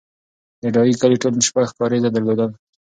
د ډایی کلی ټول شپږ کارېزه درلودل